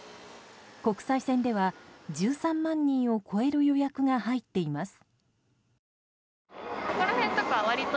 国際線では、１３万人を超える予約が入っています。